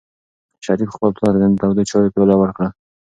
شریف خپل پلار ته د تودو چایو پیاله ورکړه.